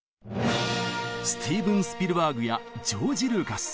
スティーブン・スピルバーグやジョージ・ルーカス。